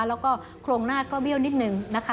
แล้วก็โครงหน้าก็เบี้ยวนิดนึงนะคะ